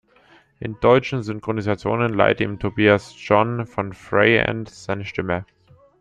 In deutschen Synchronisationen leiht ihm Tobias John von Freyend seine Stimme.